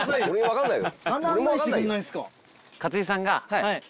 分かんないよ。